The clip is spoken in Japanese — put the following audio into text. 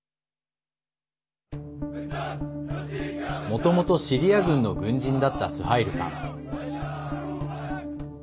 もともとシリア軍の軍人だったスハイルさん。